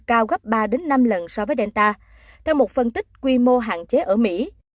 cao gấp ba năm lần so với delta theo một phân tích quy mô hạn chế ở mỹ